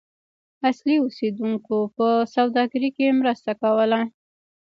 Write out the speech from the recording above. اصلي اوسیدونکو په سوداګرۍ کې مرسته کوله.